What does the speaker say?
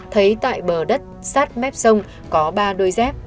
thấy tại bờ đất sát mép sông có ba đôi dép